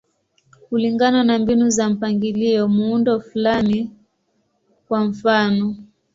Kulingana na mbinu za mpangilio, muundo fulani, kwa mfano.